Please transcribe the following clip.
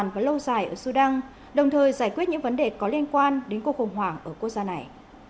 và giải quyết những vấn đề có liên quan đến cuộc khủng hoảng ở quốc gia này